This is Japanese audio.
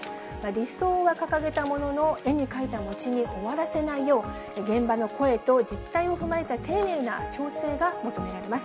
理想は掲げたものの、絵に描いた餅に終わらせないよう、現場の声と実態を踏まえた丁寧な調整が求められます。